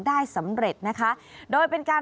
ได้สำเร็จนะคะโดยเป็นการ